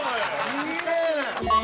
いいね。